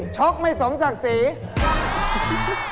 ชกไม่สมศักดิ์ศรี